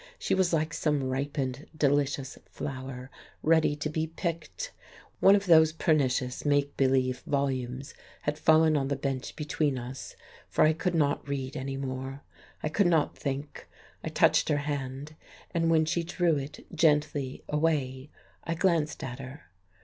She was like some ripened, delicious flower ready to be picked.... One of those pernicious, make believe volumes had fallen on the bench between us, for I could not read any more; I could not think; I touched her hand, and when she drew it gently away I glanced at her.